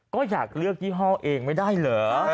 ก็อยากเลือกยี่ห้อเองไม่ได้เหรอ